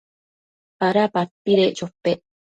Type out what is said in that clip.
¿ada padpedec chopec?